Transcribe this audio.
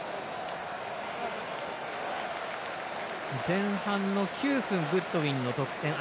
前半の９分グッドウィンの得点。